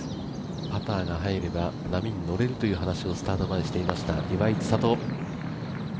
パターが入れば波に乗れるという話をスタート前していました岩井千怜。